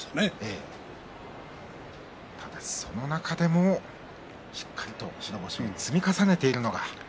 その中でもしっかりと白星を積み重ねているのが。